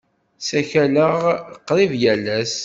Ssakaleɣ qrib yal ass.